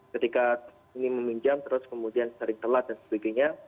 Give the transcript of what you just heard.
ketika ini meminjam terus kemudian sering telat dan sebagainya